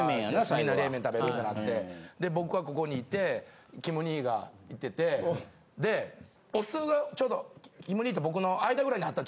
みんな冷麺食べるってなって僕はここにいてキム兄がいててでお酢がちょうどキム兄と僕の間ぐらいにあった。